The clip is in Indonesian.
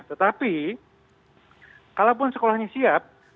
tetapi kalaupun sekolahnya siap